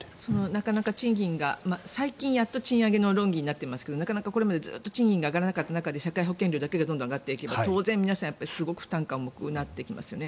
なかなか賃金が最近やっと賃上げの論議になってますがなかなかこれまでずっと賃金が上がらない中で社会保険料だけがどんどん上がっていけば皆さん負担感も大きくなりますよね。